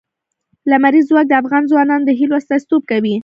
لمریز ځواک د افغان ځوانانو د هیلو استازیتوب کوي.